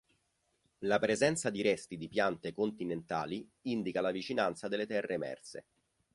La presenza di resti di piante continentali, indica la vicinanza delle terre emerse.